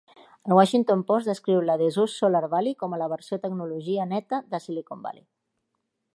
El Washington Post descriu la Dezhou's Solar Valley com a "la versió tecnologia neta de Silicon Valley".